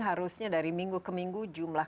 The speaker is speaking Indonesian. harusnya dari minggu ke minggu jumlah